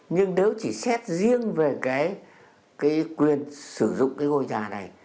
nhưng nếu chỉ xét riêng về cái quyền sử dụng cái ngôi nhà này